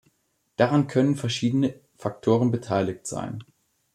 Daran können verschiedene Faktoren beteiligt sein.